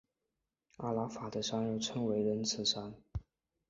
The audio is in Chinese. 阿拉法特山又称为仁慈山。